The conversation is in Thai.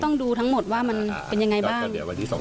ก็เดี๋ยวให้แม่ดูอีกทางหนึ่ง